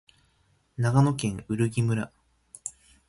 長野県売木村